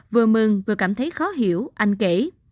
vừa mừng vừa cảm thấy khó hiểu anh kể